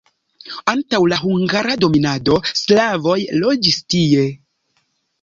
Antaŭ la hungara dominado slavoj loĝis tie.